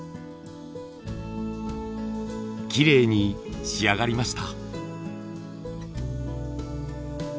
きれいに仕上がりました。